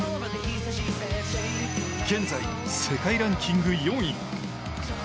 現在、世界ランキング４位。